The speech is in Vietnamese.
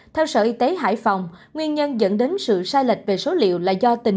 theo sở y tế hải phòng nguyên nhân dẫn đến sự sai lệch về số liệu là do tình